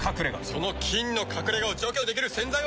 その菌の隠れ家を除去できる洗剤は。